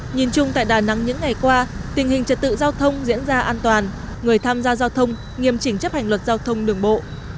nhìn chung tại đà nẵng những ngày qua tình hình trật tự giao thông diễn ra an toàn người tham gia giao thông nghiêm chỉnh chấp hành luật giao thông đường bộ